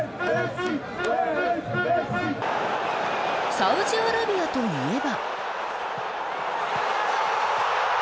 サウジアラビアといえば。